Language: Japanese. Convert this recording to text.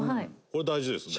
これ大事ですね。